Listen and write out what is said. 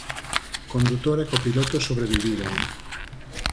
Condutor e copiloto sobreviviron.